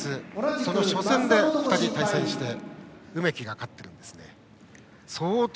その初戦で２人は対戦して梅木が勝っています。